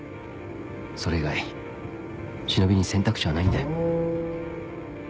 それ以外忍びに選択肢はないんだよ。